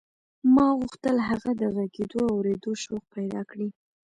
ما غوښتل هغه د غږېدو او اورېدو شوق پیدا کړي